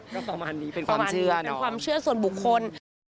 ก็ประมาณนี้เป็นประมาณนี้เป็นความเชื่อส่วนบุคคล